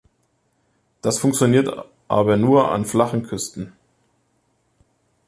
Das funktioniert aber nur an flachen Küsten.